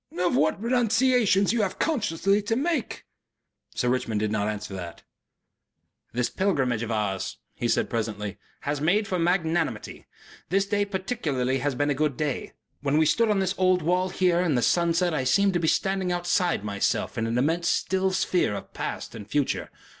"Of what renunciations you have consciously to make." Sir Richmond did not answer that.... "This pilgrimage of ours," he said, presently, "has made for magnanimity. This day particularly has been a good day. When we stood on this old wall here in the sunset I seemed to be standing outside myself in an immense still sphere of past and future.